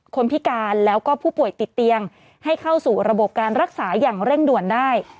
พิการแล้วก็ผู้ป่วยติดเตียงให้เข้าสู่ระบบการรักษาอย่างเร่งด่วนได้